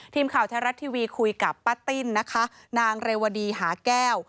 ทีมข่าวแท้รัฐทีวีคุยกับป้าติ้นนะคะนางเรวดีหาแก้ว